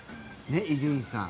伊集院さん